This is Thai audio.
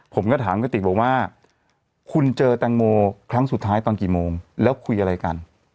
ผมก็ถามกระติกบอกว่าคุณเจอแตงโมครั้งสุดท้ายตอนกี่โมงแล้วคุยอะไรกัน